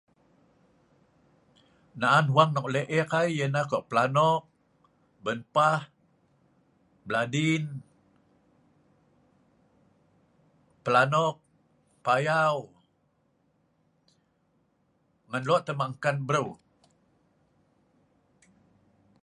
Naan fwang nok lek ek ai ianah kok pelanok, binpah, beladin pelanok, payau ngan lok tah mak ngkan breu